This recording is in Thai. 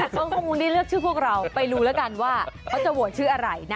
เขาก็คงได้เลือกชื่อพวกเราไปดูแล้วกันว่าเขาจะโหวตชื่ออะไรนะ